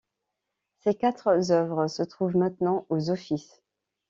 Ces quatre œuvres se trouvent maintenant aux Offices.